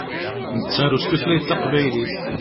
Nettaru s tutlayt taqbaylit.